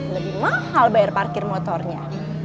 lebih mahal bayar parkir motornya